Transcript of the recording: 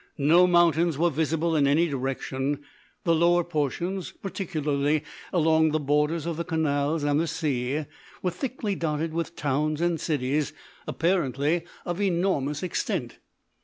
No mountains were visible in any direction. The lower portions, particularly along the borders of the canals and the sea, were thickly dotted with towns and cities, apparently of enormous extent.